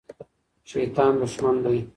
شیطان دښمن دی.